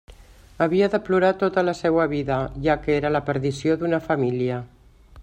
Havia de plorar tota la seua vida, ja que era la perdició d'una família.